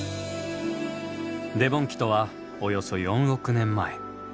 デボン紀とはおよそ４億年前。